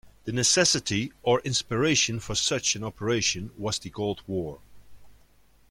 The necessity or inspiration for such an operation was the Cold War.